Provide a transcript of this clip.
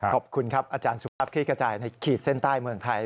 ขอบคุณครับอาจารย์สุภาพคลิกกระจายในขีดเส้นใต้เมืองไทย